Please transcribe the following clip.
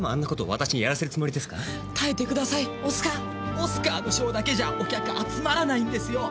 オスカーのショーだけじゃお客集まらないんですよ。